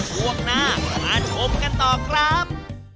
ช่วงหน้ามาชมกันต่อครับ